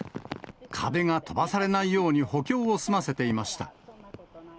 壁が飛ばされないように補強を済ませていました。